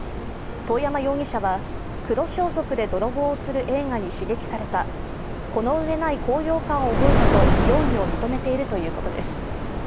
遠山容疑者は黒装束で泥棒をする映画に刺激された、このうえない高揚感を覚えたと容疑を認めているということです。